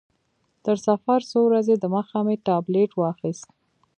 تر سفر څو ورځې دمخه مې ټابلیټ واخیست.